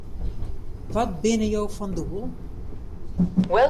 Wat binne jo fan doel?